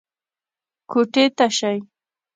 کوټې ته شئ.